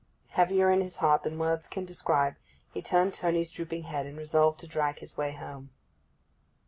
Heavier in his heart than words can describe he turned Tony's drooping head, and resolved to drag his way home.